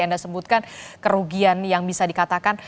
anda sebutkan kerugian yang bisa dikatakan